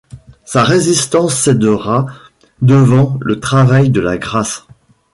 Sa résistance cédera devant le travail de la grâce.